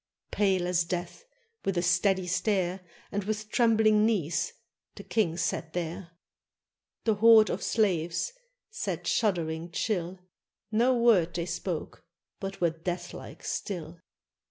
Pale as death, with a steady stare. And with trembling knees, the king sat there; The horde of slaves sat shuddering chill; No word they spoke, but were deathlike still.